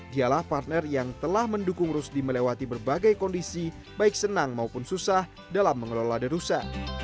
dialah partner yang telah mendukung rusdi melewati berbagai kondisi baik senang maupun susah dalam mengelola derusa